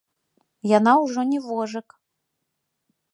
Яна ўжо не вожык.